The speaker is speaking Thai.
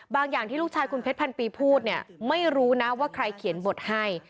อย่างที่ลูกชายคุณเพชรพันปีพูดเนี่ยไม่รู้นะว่าใครเขียนบทให้